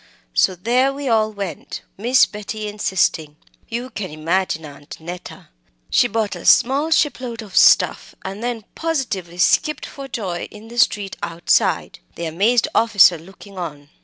So there we all went, Miss Betty insisting. You can imagine Aunt Neta. She bought a small shipload of stuff and then positively skipped for joy in the street outside the amazed officer looking on.